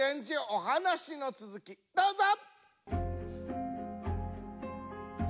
お話のつづきどうぞ！